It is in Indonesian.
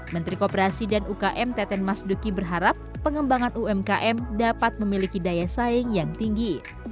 menteri kooperasi dan ukm teten mas duki berharap pengembangan umkm dapat memiliki daya saing yang tinggi